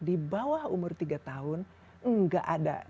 di bawah umur tiga tahun enggak ada